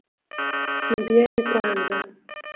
Kimbieni kwanza.